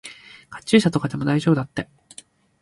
カチューシャとかでも大丈夫だって。